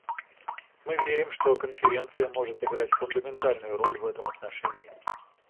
Мы верим, что Конференция может играть фундаментальную роль в этом отношении.